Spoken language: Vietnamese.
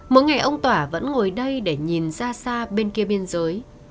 mỗi ngày ông tỏa vẫn ngồi đây để nhìn ra xa bên kia biên giới